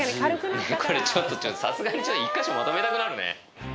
これ、ちょっとさすがに一か所にまとめたくなるね。